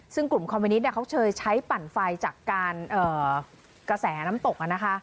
ซึ่งกลุ่มคอมมิวนิตเขาเคยใช้ปั่นไฟจากการกระแสน้ำตก